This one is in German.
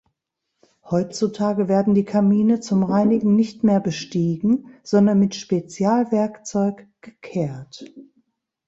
Heutzutage werden die Kamine zum Reinigen nicht mehr bestiegen, sondern mit Spezialwerkzeug gekehrt.